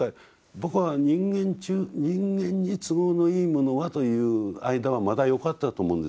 僕は人間に都合のいいものはという間はまだよかったと思うんです。